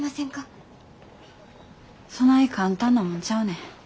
そない簡単なもんちゃうねん。